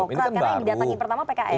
karena yang datang yang pertama pks